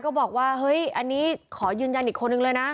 บอกว่าเฮ้ยอันนี้ขอยืนยันอีกคนนึงเลยนะ